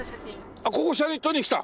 あっここ写真撮りに来た？